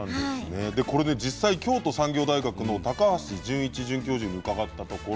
実際に京都産業大学の高橋純一准教授に伺ったところ